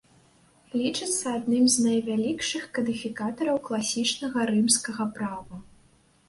Лічыцца адным з найвялікшых кадыфікатараў класічнага рымскага права.